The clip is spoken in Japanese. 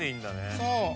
そう！